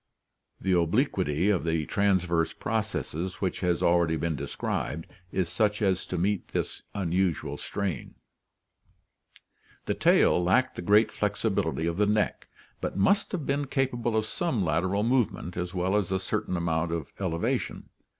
The obliquity of the transverse processes which has already been described is such as to meet this unusual strain. The tail lacked the great flexibility of the neck, but must have been capable of some lateral movement as well as a certain amount of elevation.